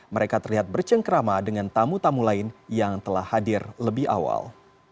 mereka terlihat bercengkrama dengan tamu tamu lain yang telah hadir lebih awal